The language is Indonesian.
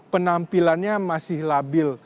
penampilannya masih lama